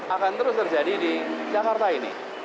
akan terus terjadi di jakarta ini